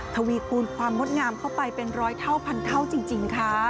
ทวีคูณความงดงามเข้าไปเป็นร้อยเท่าพันเท่าจริงค่ะ